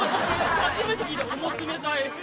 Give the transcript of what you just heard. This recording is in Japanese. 初めて聞いた、オモつめたい。